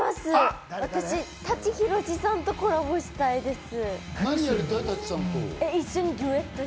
私、舘ひろしさんとコラボしたいです。